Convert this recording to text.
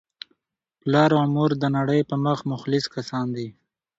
پلار او مور دنړۍ په مخ مخلص کسان دي